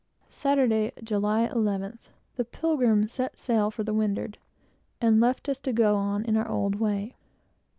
Saturday, July 11th. The Pilgrim set sail for the windward, and left us to go on in our old way.